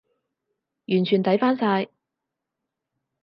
完全抵返晒